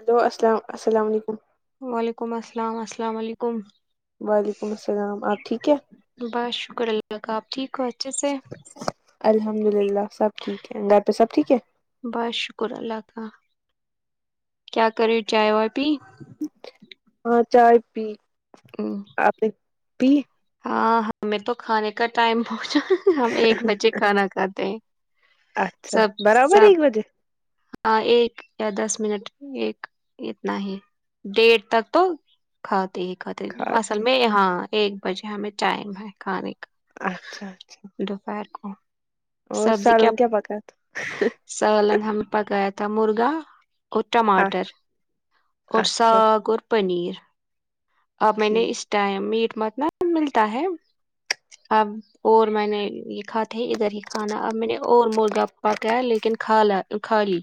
Hello السل السلام علیکم وعلیکم السلام السلام علیکم وعلیکم السلام آپ ٹھیک ہے بس شکر اللہ کا آپ ٹھیک ہو اچھے سے الحمد للہ سب ٹھیک ہے گھر پہ سب ٹھیک ہے بس شکر اللہ کا کیا کرے چائے وائے پی ہاں چائے پی ہم، آپ نے پی ہاں ہمیں تو کھانے کا ٹائم پہنچا ہم ایک بچے کھانا کھاتے ہیں اچھا سب برابر سب ایک بجے ہاں ایک یا دس منٹ ایک اتنا ہی ڈیٹ تک تو کھاتے ہی کھاتے اصل میں یہاں ایک بجے ہمیں ٹائم ہے کھانے کا اچھا اچھا دوپہر کو اور سالن کیا پکا یا تھا سالن ہم نے پکایا تھا مرغا اور تھا ٹماٹر اور اچ- اچھا ساگ اور پنیر اب میں نے اس ٹھیک ٹائم میٹ متنا ملتا ہے اب اور میں نے یہ کھا ادھر ہی کھانا اب میں نے اور مرغا پکا لیکن کھا لا کھا لی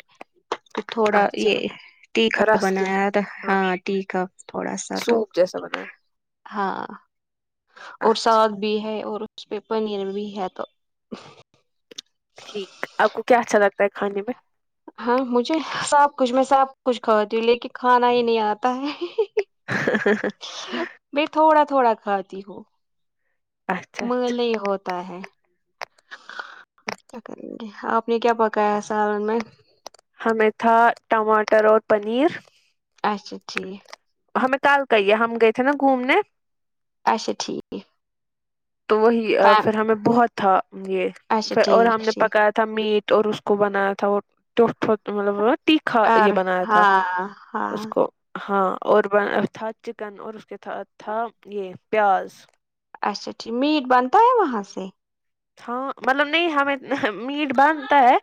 تھوڑا اچھا یہ ٹیکھا رس کے بنایا تھا ہاں ٹیکھا تھوڑا سا تو سوپ جیسا بنایا ہاں اور ساگ اچھا بھی ہے اور اس پہ پنیر بھی ہے تو ٹھیک آپ کیا اچھا لگتا ہے کھانے میں ہاں مجھے سب کچھ میں سب کچھ کھاتی ہوں لیکن کھانا ہی نہیں آتا ہے ہاں۔ ہاں ہاں میں تھوڑا تھوڑا کھاتی ہو اچھا اچھا [unintelligible] ہوتا ہے کیا کریں گے آپ نے کیا پکایا ہے سالن میں ہمیں تھا ٹماٹر اور پنیر اچھا ٹھیک ہمیں کال کہیے ہم گئے تھے نا گھومنے اچھا ٹھیک ہے تو وہی پھر ہمیں بہت تھا یہ اچھا پھر اور ٹھیک ہم نے ٹھیک پکایا تمیٹ اور اس کو بنایا تھا وہ ٹیوٹ ٹٹ مطلب تیکھا اور یہ بنایا تھا ہاں ہاں اس کو ہاں اور ب تھا چکن اور اس کے تھا یہ پیاز اچھا ٹھیک میٹ بنتا ہے وہاں سے ہاں مطلب نہیں ہمیں میٹ بنتا ہے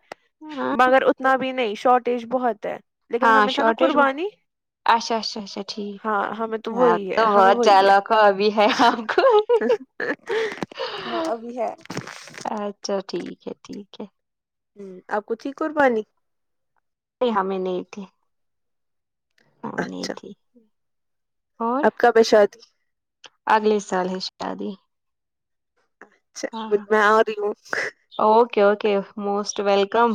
ہاں مگر ابھی نہیں شارٹیج بہت ہے لیکن ہاں ہمیں تھا نا شارٹیج وہ- قربانی اچھا اچھا اچھا ٹھیک ہاں ہمیں آپ وہی تو ہے ہمیں بہت وہی چالک ہے ہو ابھی ہے آپکو ہاں ابھی ہے اچھا ٹھیک ہے ٹھیک ہے ہوں آپ کو تھی قربانی ہمیں نہیں تھی ہمیں نہیں تھی اور اب کب ہے شادی اگلے سال ہے شادی اچھا وہی ہاں میں آرہی ہوں اوکے اوکے موسٹ ویلکم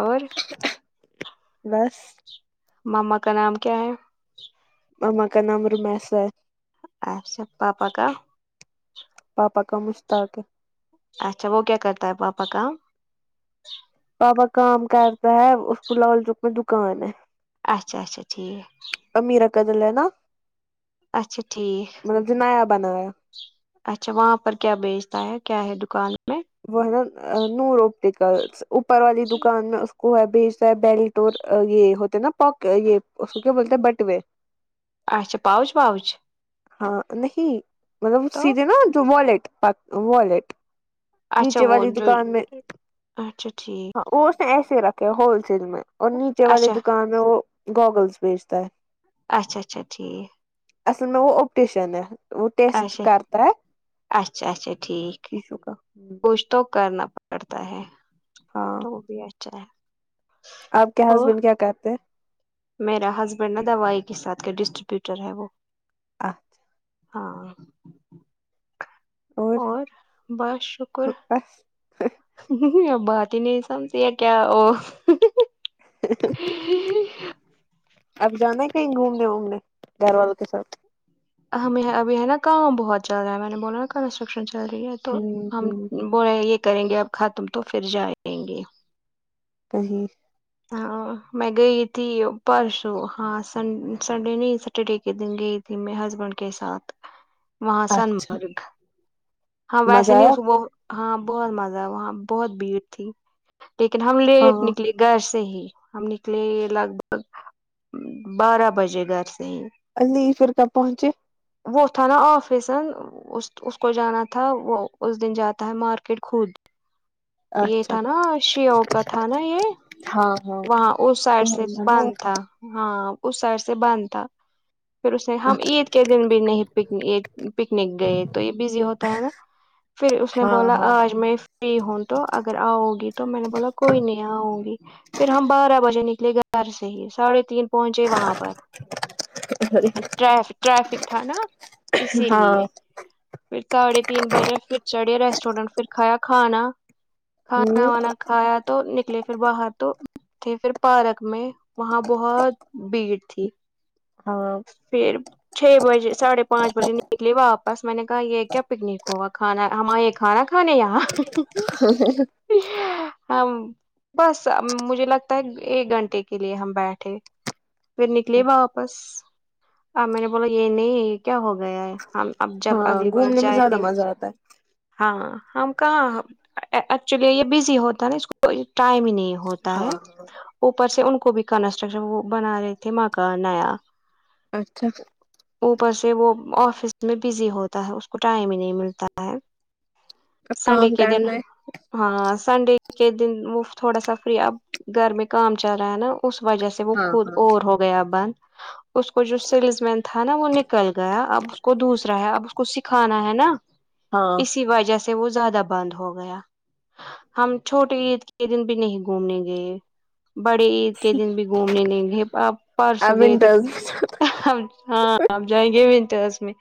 اور بس مما کا نام کیا ہے ماما کا نام ر میںسر اچھا پاپا کا پاپا کا مشتاق ہے اچھا وہ کیا کرتا ہے پاپا کام بابا کام کرتا ہے اس کو لول چوک میں دکان ہے اچھا اچھا ٹھیک امیر قدل ہے نا اچھا ٹھیک مطلب جو نیا بنایا اچھا وہاں پر کیا بیچتا ہے کیا ہے دکان میں وہ ہے نا نورپٹیکلس اوپر والی دکان میں کو ہے بھیجتا ہے بیلٹور یہ ہوتے نا پک یہ اس کو کیا بولتے ہیں بٹوے اچھا پؤچ پؤچ ہاں نہیں مطلب تو سیدھے نا جو والٹ والٹ اچھا وہ جو اچھا ٹھیک ہاں وہ اس نے ایسے رکھے ہول سیل میں اور نیچے والے اچھا دکان میں وہ گوگلس بیچتا ہے اچھا اچھا ٹھیک میں وہ آپٹیشن ہے وہ ٹیسٹ اچھا کرتا ہے اچھا اچھا ٹھیک ہے [unintelligible] کا کچھ تو کرنا پڑتا ہے ہاں تو وہ بھی اچھا ہے آپ کے اور ہسبینڈ کیا کرتے ہیں میرا ہسبینڈ نا دوائی کے ساتھ ڈسٹریبوٹر ہے وہ آ ہاں اور بس شکر بس ہمم ہمم آپ بات ہی نہیں سنتی ہے کیا او اب جانا ہے کہیں گھومنے وومنے گھر والوں کے ساتھ ہمیں ابھی ہے نا کام بہت چل رہا ہے میں نے بولا نا کنسٹرکشن چل رہی ہے تو ہوں ہم ہوں بولے یہ کریں گے اب کھا تم تو پھر جائیں گے جی ہاں میں گئی تھی پرسوں ہاں سن سنڈے نہیں سٹرڈے کے دن گئی ت تھی میں ہسبینڈ کے ساتھ وہاں اچھا سنمرگ ہاں مزہ ویسے نہیں آیا ہاں بہت مزہ وہاں بہت بھیڑ تھی لیکن ہم لیٹ ہاں نکلے گھر سے ہی ہم نکلیں گے لگ بھگ بارہ بجے گھر سے ہی علی پھر کب پہنچے وہ تھا نا آفس اس اس کو جانا تھا تھا وہ اس دن جاتا ہے مارکیٹ خود یہ اچھا تھا نا شیو کا تھا نا یہ ہاں ہاں وہاں اس سائڈ سے ہاں بند تھا ہاں اس سائڈ سے بند تھا پھر اس ہم عید کے دن بھی نہیں پک پکنک گئے تو یہ بزی ہوتا ہے نا پھر اس نے بولا ہاں آج میں فری ہوں تو اگر آؤ گی تو میں نے بولا کوئی نہیں ہے آؤں گی پھر ہم بارہ بجے نکلے گھر سے ہی ساڑھے تین پہنچے وہاں پر ٹ ٹریفک تھا نا اسی ہاں لیے پھر ساڑھے تین بجے پھر چڑھے ریسٹورینٹ پھر کھایا کھانا کھانا وانا کھایا تو نکلے پھر باہر تو تھے پھر پارک میں وہاں بہت بھیڑ تھی ہ پھر چھ بجے ساڑھے پانچ بجے نکلی واپس میں نے کہا یہ کیا پکنک ہوگا کھانا ہم اۓ کھانا کھانے یہاں [unintelligible] ہم بس مجھے لگتا ہے ایک گھنٹے کے لیے ہم بیٹھے پھر نکلیے واپس آ میں نے بولا یہ نہیں یہ کیا ہو گیا ہے ہم اب جب ہاں اگلی بار گھومنے میں زیادہ جائیں مزہ آتا ہے ہاں ہم کہاں ایکچولی یہ بزی ہوتا ہے نا اس کو ٹائم ہی نہیں ہوتا ہاں ہے اوپر سے ان کو بھی کنسٹرکشن وہ بنا رہے تھے ماں کا نیا اچھا اوپر سے وہ آفس میں بزی ہوتا ہے اس کو ٹائم ہی نہیں ملتا ہے اب سنڈے کام کے دن کرنا ہے ہاں سنڈے کے دن وہ تھوڑا سا فری اب گھر میں کام چل رہا ہے نا اس وجہ سے وہ ہاں خود ہاں اور ہو گیا بند اس کو جو سیلس مین تھا نا وہ نکل گیا اب کو دوسرا ہے اب اسکو سکھانا ہے نا ہاں اسی وجہ سے وہ زیادہ بند ہو گیا ہم چھوٹے عید کے دن بھی نہیں گھومنے گئے بڑے عید کے دن بھی گھومنے نہیں گئے پر اب پرسوں گئے تھے ونٹرز ہاں اب جائیں گے ونٹس میں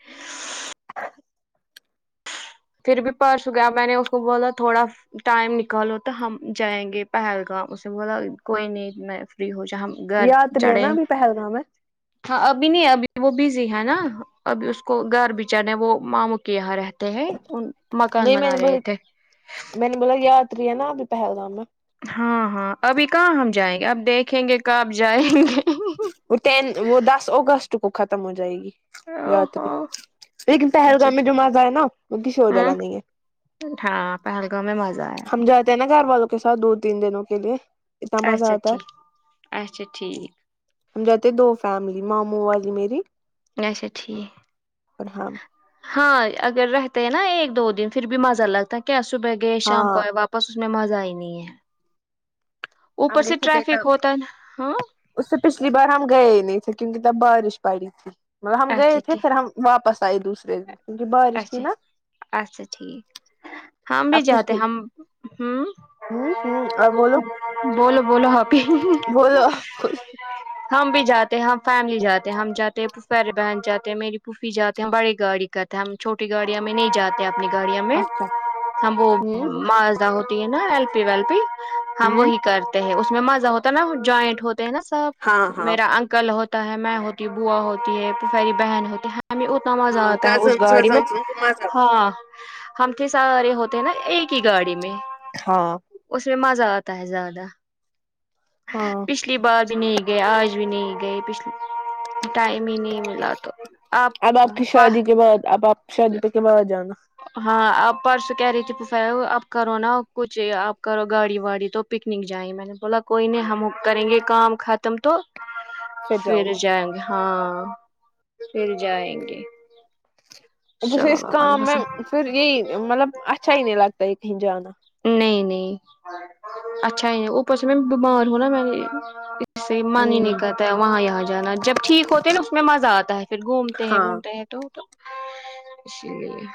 پھر بھی پرس گیا اب میں نے اس کو بولا تھوڑا ٹائم نکالو تو ہم جائیں گے پہلگام اس میں سے بولا کوئی نہیں میں فری ہو جائے ہم گھر یاتری ہے نا چڑھیں ابھی پہلگام میں ہاں ابھی نہیں ابھی وہ بزی ہے نا ابھی اس کو گھر بھی جانا ہے وہ ماموں کے یہاں رہتے ہیں ان مکان نہیں میں بنا ب رہے تھے م نے بولا یاتری ہے ن آب بھی پہلگام میں ہاں ہاں ابھی کہاں ہم جائیں گے اب دیکھیں گے کب جائیں وہ ٹین وہ دس اگستٹ کو ختم ہو جائے گی یا تبھی لیکن اچھا پہلگام میں جو مزہ ہے نا وہ کسی اور اچھا جگہ نہیں ہے ہاں پہلگام میں مزہ ایا ہم جاتے نا گھر والوں کے سھ دو تین دنوں کے لیے اتنا مزہ اچھا آتا ہے ٹھیک اچھا ٹھیک ہم جاتے ہیں دو فیملی ماموں والی میری اچھا ٹھیک اور ہم ہاں اگر رہتے ہیں نا ایک دو دن پھر بھی مزہ لگتا ہے کیا صبح گئے شام کو ہاں آئے واپ اس میں مزہ ہی نہیں ہے ہم اوپر نے سے پہٹ ٹریفک ہوتا ہے نا ہاں اس سے پچھلی بار ہم گئے ہی نہیں تھے کیونکہ تب بارش پڑی تھی مطلب ہم گئے اچھا تھے ٹھیک پھر ہم واپس آئیے دوسرے دن کیونکہ بارش تھی اچھا نا اچھا ٹھیک ہم بھی اب جاتے پچھلی ہم ہوں ہوں ہوں اور بولو بولو بولو حبی بولو ہم بھی جاتے ہیں ہم فیملی جاتے ہیں ہم جاتے ہیں پھوپیرے بہن جاتے ہیں میری پوفی جاتے ہیں ہم بڑی گاڑی کرتے ہم چھوٹی گاڑی میں نہیں جا اپنی گاڑیاں میں اچھا ہم وہ ہوں مجدہ ہوتی ہے نا ایل پی ویل پی ہم ہوں وہی کرتے ہیں اس میں مزہ ہوتا ہے نا جوائنٹ ہوتے ہیں نا ہاں سب ہاں میرا انکل ہوتا ہوتا میں ہوتی بوا ہوتی ہے پھپھیری بہن ہوتی ہے ہمیں اتنا مزہ ہاں آتا ہے اس کزن گاڑی میں وزنس ان کو مزہ آتا ہے ہاں ہم کے سارے ہوتے ہیں نا ایک کی گاڑی میں ہاں اس میں مزہ آتا ہے زیادہ ہاں پچھلی بار بھی نہیں گئے آج بھی نہیں گئے پچھلی ٹائم ہی نہیں ملا تو آپ اب کی پ شادی کے بعد اب آپ شادی کے بعد جانا ہاں اب پرسوں کہہ رہی تھی [unintelligible] آپ کرو نا کچھ آپ کرو گاڑی واڑی تو پکنک جاے میں نے بولا کوئی نہیں ہم کریں گے کام ختم تو پھر جائیں گے ہاں پھر جائیں گے بس چلو اس اللہ علیہ کام میں وسلم پھر یہی مطلب اچھا ہی نہیں لگتا یہ کہیں جانا نہیں نہیں اچھا ہے اوپر سے میں بیمار ہوں نا میں نے سے من ہی نہیں ہوں کرتا ہے وہاں یہاں جانا جب ٹھیک ہوتے ہیں نا اس میں مزہ آتا ہے پھر گھومتے ہیں ہاں وومتے ہیں تو تو اسی لیے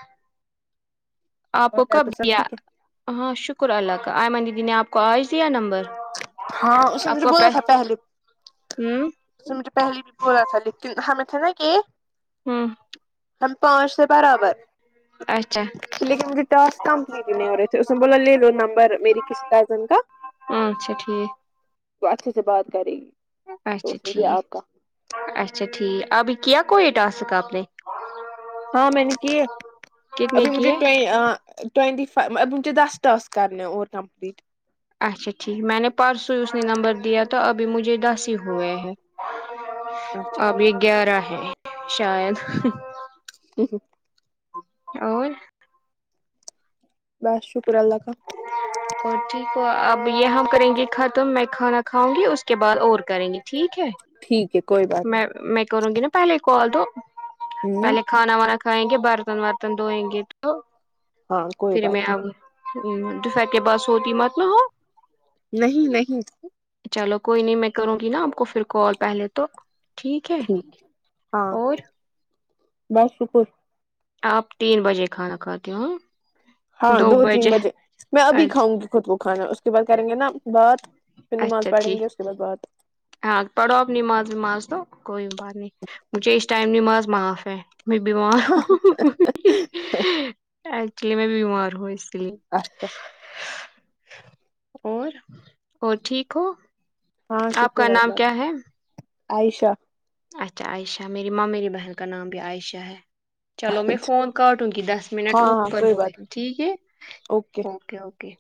آپ اور کو گھر کب پہ سب دیا ٹھیک ہے ہاں شکر اللہ کا ائمن دیدی نے آپ آئی سی یا نمبر ہاں اس نے مجھے آپکو پ ہوں جی مجھے پہلے بھی بولا تھا لیکن ہمیں تھے نا کہ ہوں ہم پانچ تھے برابر اچھا لیکن مجھے ٹرسک کمپلیٹ نہیں ہو رہے تھے اس نے بولا لے لو نمبر میری کسی کزن کا اچھا ٹھیک وہ اچھے سے بات کرے گی تو اچھا اس میں بھی ٹھیک آپ کا اچھا ٹھیک ابھی کیا کوئی ٹاسک آپ نے ہاں میں نے کی ہے کتنے ابھی مجھے کیے ٹ آ ٹوونٹی فائیو مجھے دس ٹاسک کرنے اور کمپلیٹ اچھا ٹھیک میں نے پرسوں ہی اس نے نمبر دیا تو ابھی مجھے دس ہی ہوئے ہیں اچھا ابھی گیارہ ہے شاید [inaudible] اور بس شکر اللہ کا ج [inaudible] اور ٹھیک ہو اب یہاں کریں گی ختم میں کھانا کھاؤں گی اس کے بعد اور کریں گے ٹھیک ہے ٹھیک ہے کوئی بات میں میں کروں گی نا پہلے کال دو نہیں ہوں پہلے کھانا وانا کھائیں گے برتن ورتن دھوئیں گے تو ہاں کوئی بات نہیں ہوں دوپہر کے بعد سوتی مت نہ ہو نہیں نہیں چلو کوئی نہیں میں کروں گی نا آپ کو پھر کال پہلے تو ٹھیک ہے ہاں اور بس شکر آپ تین بجے کھانا کھاتے ہو نہ ہاں دو تین بجے میں ابھی کھاؤں اچھا گی خود کو کھانا اس کے بعد کریں گے نا بات پھر نماز اچھا پڑھیں گے ٹھیک اس کے بعد بات ہاں پڑھو اپ نماز نماز تو کوئی بات نہیں مجھے اس ٹائم نماز معاف ہے میں بیمار ہوں ایکچولی میں بیمار ہوں اس لیے اچھا اور اور ٹھیک ہو ہاں آپ شکر نام اللہ کا کیا ہے عائشہ اچھا عائشہ میری ماں میری بہن کا نام بھی عائشہ ہے چلو میں فون کاٹوں گی دس منٹ ہاں ہاں اوپر کوئی ہو گئے بات نہیں ٹھیک ہے اوکے او کے